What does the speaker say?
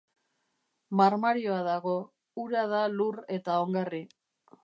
Marmarioa dago, hura du lur eta ongarri.